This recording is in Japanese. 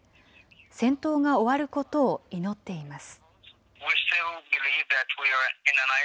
戦闘が終わることを祈っています。